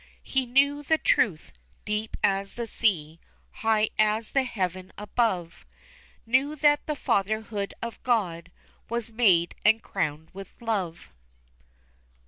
He knew the truth, deep as the sea, high as the heaven above, Knew that the Fatherhood of God was made and crowned with Love.